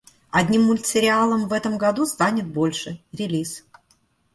Одним мультсериалом в этом году станет больше, релиз